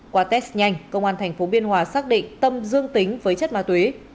qua test nhanh công an tp biên hòa xác định tâm dương tính với chất ma túy